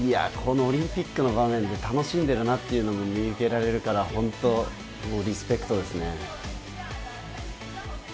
このオリンピックの場面で楽しんでいるなというのが見受けられるから、本当、リスペクトですね。